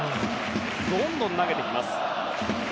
どんどん投げてきます。